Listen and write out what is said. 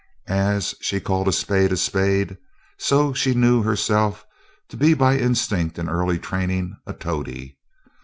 As she called a spade a spade, so she knew herself to be by instinct and early training a toady.